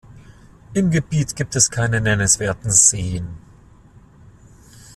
Im Gebiet gibt es keine nennenswerten Seen.